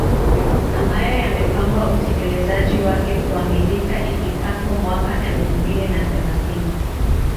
ambayo yamepangwa utekelezaji wake kukamilika ifikapo mwaka elfu mbili na thelathini